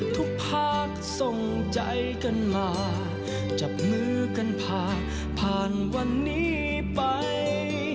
ทุกภาคส่งใจกันมาจับมือกันผ่านผ่านวันนี้ไป